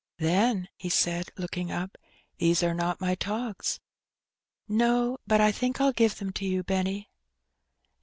"Then," he said, looking up, "these are not my togs." "No; but I think Fll give them to you, Benny."